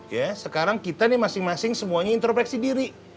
ya sekarang kita nih masing masing semuanya introversi diri